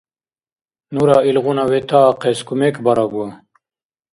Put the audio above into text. Нура илгъуна ветаахъес кумекбарагу.